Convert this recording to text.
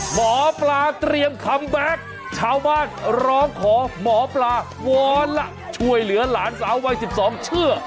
หมอปลาเตรียมคัมแบ็คชาวบ้านร้องขอหมอปลาวอนล่ะช่วยเหลือหลานสาววัย๑๒เชื่อ